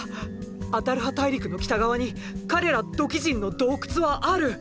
アタルハ大陸の北側に彼ら土器人の洞窟はある。